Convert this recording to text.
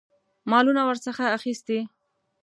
مالونه ورڅخه اخیستي.